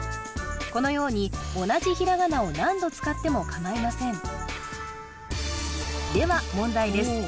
このように同じひらがなを何度使ってもかまいませんでは問題です